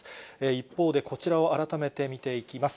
一方でこちらを改めて見ていきます。